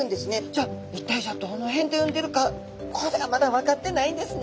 じゃあ一体どの辺で産んでるかこれがまだ分かってないんですね。